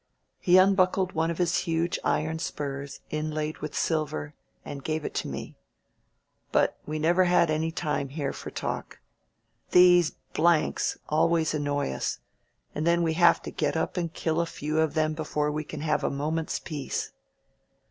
He un buckled one of his huge iron spurs, inlaid with silver, and gave it to me. "But we never had any time here for talk. These always annoy us, and then we have to get up and kill a few of them before we cam have a moment's peace.